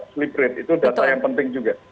sleep rate itu data yang penting juga